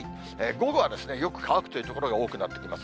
午後はよく乾くという所が多くなってきます。